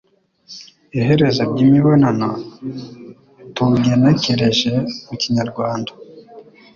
iherezo ry'imibonano tugenekereje mu Kinyarwanda.